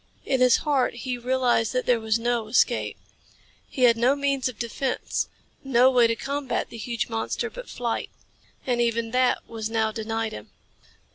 In his heart he realized that there was no escape. He had no means of defense, no way to combat the huge monster but flight. And even that was now denied him.